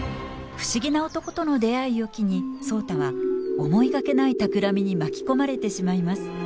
不思議な男との出会いを機に壮多は思いがけないたくらみに巻き込まれてしまいます。